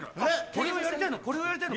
これをやりたいのか？